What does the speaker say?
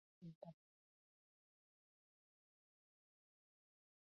Giuliani withdrew from the race for unrelated reasons.